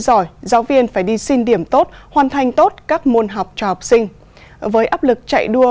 giỏi giáo viên phải đi xin điểm tốt hoàn thành tốt các môn học cho học sinh với áp lực chạy đua